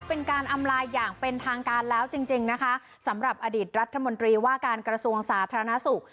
เป็นการอำลาอย่างเป็นทางการแล้วจริงจริงนะคะสำหรับอดีตรัฐมนตรีว่าการกระทรวงสาธารณสุข